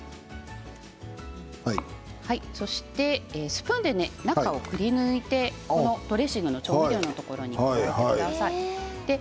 そしてスプーンで中をくりぬいてドレッシングの調味料のところに入れてください。